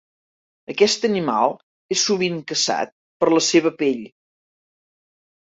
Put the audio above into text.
Aquest animal és sovint caçat per la seva pell.